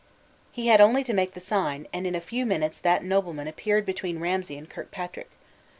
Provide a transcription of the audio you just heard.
He had only to make the sign, and in a few minutes that nobleman appeared between Ramsay and Kirkpatrick.